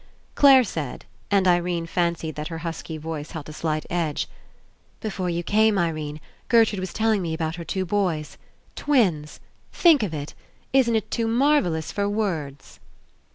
Clare said — and Irene fancied that her husky voice held a slight edge — "Before you came, Irene, Gertrude was telling me about her two boys. Twins. Think of It ! Isn't It too mar vellous for words?"